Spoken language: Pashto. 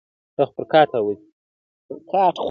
ما لس كاله سلطنت په تا ليدلى٫